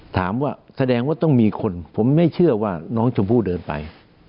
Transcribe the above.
แสดงว่าแสดงว่าต้องมีคนผมไม่เชื่อว่าน้องชมพู่เดินไป